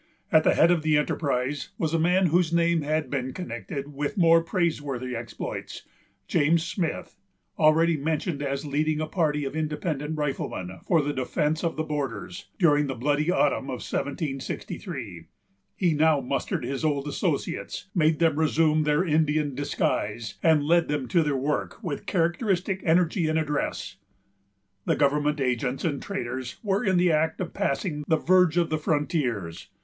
At the head of the enterprise was a man whose name had been connected with more praiseworthy exploits, James Smith, already mentioned as leading a party of independent riflemen, for the defence of the borders, during the bloody autumn of 1763. He now mustered his old associates, made them resume their Indian disguise, and led them to their work with characteristic energy and address. The government agents and traders were in the act of passing the verge of the frontiers.